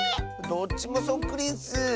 どっちもそっくりッス！